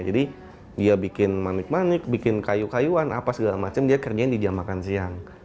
jadi dia bikin manik manik bikin kayu kayuan apa segala macam dia kerjain di jam makan siang